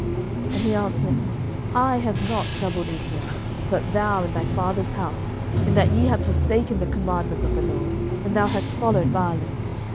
11:018:018 And he answered, I have not troubled Israel; but thou, and thy father's house, in that ye have forsaken the commandments of the LORD, and thou hast followed Baalim.